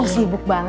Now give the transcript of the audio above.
oh sibuk banget